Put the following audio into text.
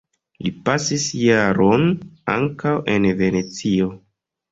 Li pasis jaron ankaŭ en Venecio.